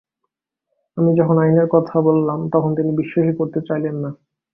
আমি যখন আইনের কথা বললাম, তখন তিনি বিশ্বাসই করতে চাইলেন না।